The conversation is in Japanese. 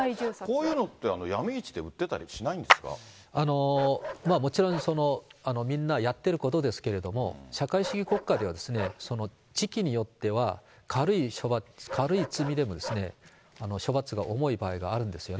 こういうのって、闇市で売っまあ、もちろん、みんなやってることですけれども、社会主義国家では、時期によっては、軽い罪でも処罰が重い場合があるんですよね。